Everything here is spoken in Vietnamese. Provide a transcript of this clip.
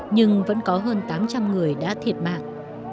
nhưng vẫn có hơn tám trăm linh người đã thiệt mạng